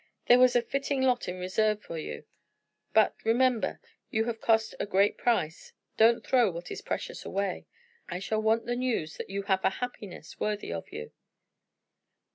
There was a fitting lot in reserve for you. But remember you have cost a great price don't throw what is precious away. I shall want the news that you have a happiness worthy of you."